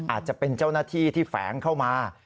อาจจะเป็นเจ้าหน้าที่ที่แฝงเข้ามา